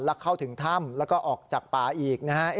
แล้วเข้าถึงถ้ำแล้วก็ออกจากป่าอีกนะฮะ